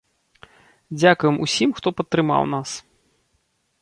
Дзякуем усім, хто падтрымаў нас.